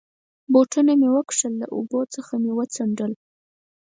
بوټونه مې و کښل، له اوبو څخه مې و څنډل.